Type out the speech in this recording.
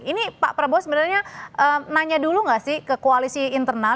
ini pak prabowo sebenarnya nanya dulu nggak sih ke koalisi internal